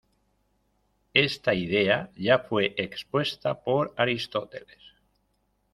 Esta idea ya fue expuesta por Aristóteles.